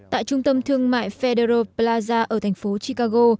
tại trung tâm thương mại federo plaza ở thành phố chicago